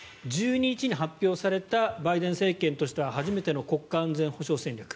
１２日に発表されたバイデン政権としては初めての国家安全保障戦略。